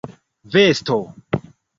vesto